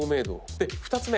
で２つ目。